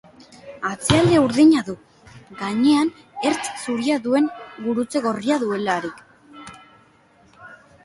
Atzealde urdina du, gainean ertz zuria duen gurutze gorria duelarik.